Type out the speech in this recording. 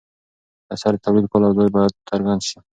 د اثر د تولید کال او ځای باید څرګند شي.